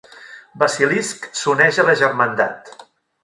Basilisk s'uneix a la germandat.